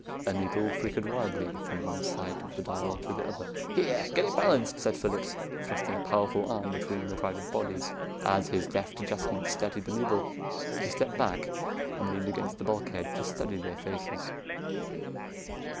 A needle flickered wildly from one side of the dial to the other. "Here! Get it balanced," said Phillips, thrusting a powerful arm between the crowded bodies. As his deft adjustment steadied the needle, he stepped back and leaned against the bulkhead to study their faces.